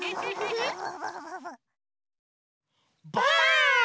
ばあっ！